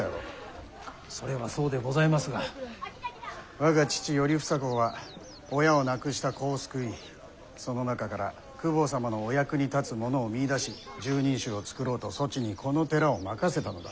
我が父頼房公は親を亡くした子を救いその中から公方様のお役に立つ者を見いだし拾人衆を作ろうとそちにこの寺を任せたのだ。